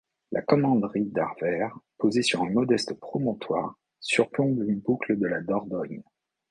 La commanderie d'Arveyres, posée sur un modeste promontoire, surplombe une boucle de la Dordogne.